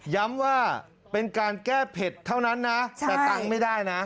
ย้ำว่าเป็นการแก้เผ็ดเท่านั้นนะแต่ตังค์ไม่ได้นะ